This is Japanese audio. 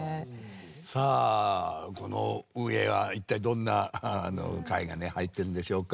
さあこの上は一体どんな回が入ってるんでしょうか。